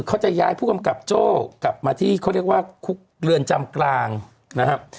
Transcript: เขาจะย้ายผู้กำกับโจ้กลับมาที่เขาเรียกว่าคุกเรือนจำกลางนะครับ